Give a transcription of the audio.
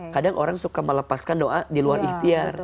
kadang orang suka melepaskan doa di luar ikhtiar